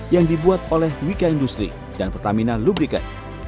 yang dibuat oleh wika industri dan pertamina lubriket